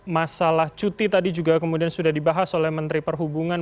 masalah cuti tadi juga kemudian sudah dibahas oleh menteri perhubungan